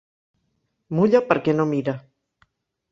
Mulla perquè no mira.